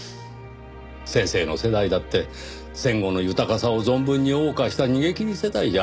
先生の世代だって戦後の豊かさを存分に謳歌した逃げ切り世代じゃありませんか。